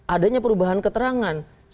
adanya perubahan keterangan